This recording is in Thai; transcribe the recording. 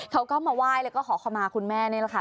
เขาก็มาไหว้แล้วก็ขอขมาคุณแม่นี่แหละค่ะ